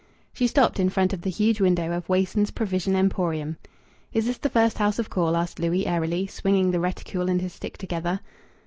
She stopped in front of the huge window of Wason's Provision Emporium. "Is this the first house of call?" asked Louis airily, swinging the reticule and his stick together.